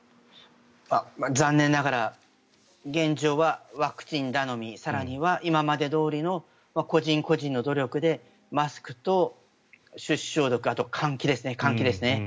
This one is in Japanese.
残念ながら現状はワクチン頼み更には今までどおりの個人個人の努力でマスクと手指消毒あとは換気ですね。